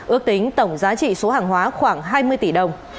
ước tính tổng giá trị số hàng hóa khoảng hai mươi tỷ đồng